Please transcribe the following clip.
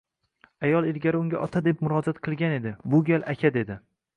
Ayol ilgari unga ota deb murojaat qilgan edi, bu gal aka dedi